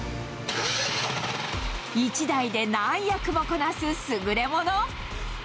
１台で何役もこなす優れもの。